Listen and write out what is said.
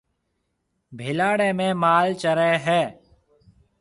ڀيلاڙيَ ۾ مال چريَ هيَ۔